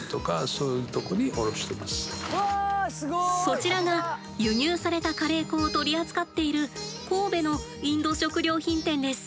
こちらが輸入されたカレー粉を取り扱っている神戸のインド食料品店です。